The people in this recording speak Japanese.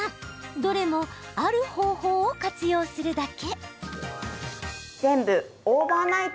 どれもある方法を活用するだけ。